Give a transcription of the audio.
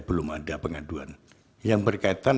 belum ada pengaduan yang berkaitan